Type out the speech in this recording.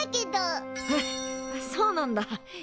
あっそうなんだ。